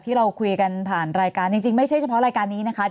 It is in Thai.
ที่เราคุยกันผ่านรายการจริงไม่ใช่เฉพาะรายการนี้นะคะ